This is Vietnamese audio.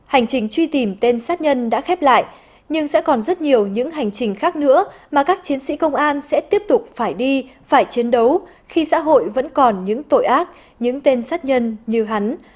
hành trình truy tìm tên sát nhân đã khép lại nhưng sẽ còn rất nhiều những hành trình khác nữa mà các chiến sĩ công an sẽ tiếp tục phải đi phải chiến đấu khi xã hội vẫn còn những tội ác những tên sát nhân như hắn